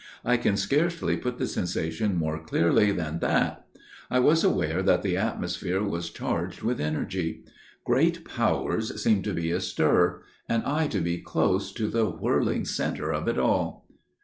I can scarcely put the sensation more clearly than that. I was aware that the atmosphere was charged with energy; great powers seemed to be astir, and I to be close to the whirling centre of it all.